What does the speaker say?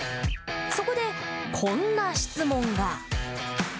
そこで、こんな質問が。